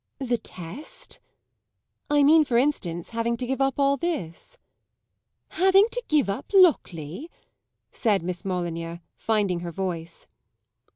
"The test?" "I mean for instance having to give up all this." "Having to give up Lockleigh?" said Miss Molyneux, finding her voice.